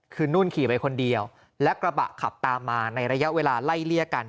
คือนุ่นขี่ไปคนเดียวและกระบะขับตามมาในระยะเวลาไล่เลี่ยกัน